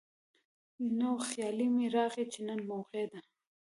نو خيال مې راغے چې نن موقع ده ـ